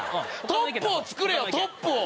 トップをつくれよトップを！